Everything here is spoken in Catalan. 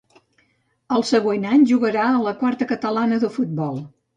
El següent any jugarà a la Quarta catalana de futbol.